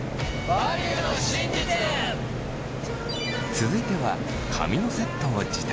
続いては髪のセットを時短。